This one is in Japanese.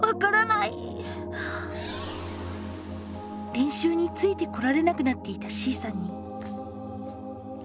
練習についてこられなくなっていたＣさんに。